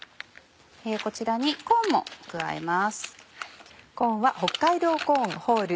こちらにコーンも加えます。